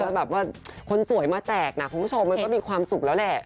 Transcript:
แบบว่าคนสวยมาแจกนะคุณผู้ชมมันก็มีความสุขแล้วแหละ